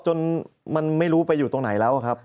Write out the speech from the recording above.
จนมันไม่รู้ไปอยู่ตรงไหนแล้วครับ